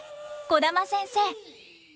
児玉先生。